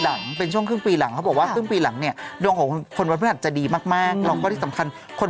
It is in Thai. ในช่วงต้นปีค่อนข้างลาบรื่นและลงตัวดีเหมือนกัน